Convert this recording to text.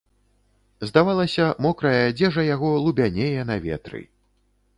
Здавалася, мокрая адзежа яго лубянее на ветры.